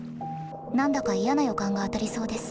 何だか嫌な予感が当たりそうです。